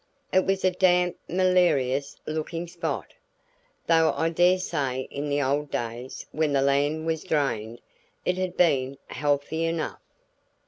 It was a damp malarious looking spot, though I dare say in the old days when the land was drained, it had been healthy enough.